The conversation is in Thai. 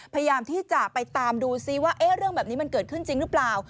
พยายามที่จะไปตามดูซิว่าเรื่องแบบนี้มันเกิดขึ้นจริงหรือเปล่า